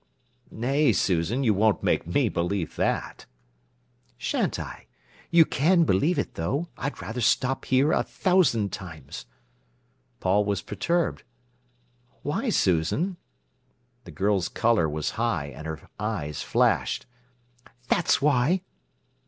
"Nay, Susan, you won't make me believe that." "Shan't I? You can believe it, though. I'd rather stop here a thousand times." Paul was perturbed. "Why, Susan?" The girl's colour was high, and her eyes flashed. "That's why!"